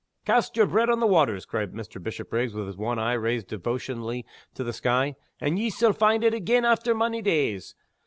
"Cast yer bread on the waters," cried Mr. Bishopriggs, with his one eye raised devotionally to the sky, "and ye sall find it again after monny days!